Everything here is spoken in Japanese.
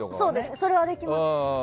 それはできます。